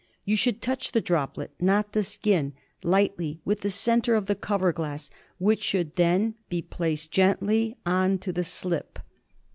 You should touch the droplet — not the skin — lightly with the centre of the cover glass, which should then be placed gentlyon to the slip.